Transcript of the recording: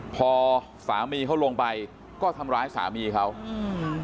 พอสามีเขาลงไปก็ทำร้ายสามีเขาอืม